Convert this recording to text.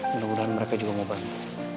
mudah mudahan mereka juga mau bantu